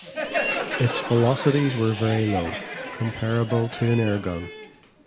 Its velocities were very low, comparable to an airgun.